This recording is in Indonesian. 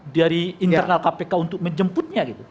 dari internal kpk untuk menjemputnya gitu